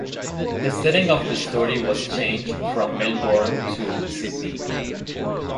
The setting of the story was changed from Melbourne to Sydney.